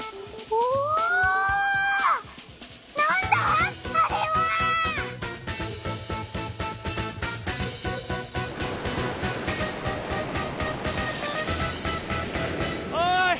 おい！